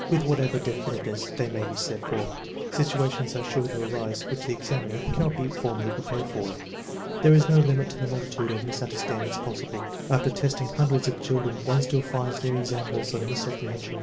With whatever definiteness they may be set forth, situations are sure to arise which the examiner cannot be formally prepared for. There is no limit to the multitude of misunderstandings possible. After testing hundreds of children one still finds new ex amples of misapprehension.